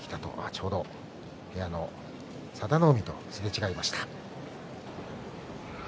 ちょうど部屋の佐田の海とすれ違いました。